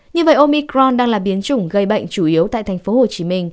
như vậy omicron đang là biến chủng gây bệnh chủ yếu tại tp hcm